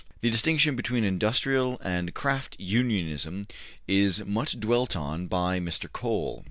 The distinction between industrial and craft unionism is much dwelt on by Mr. Cole.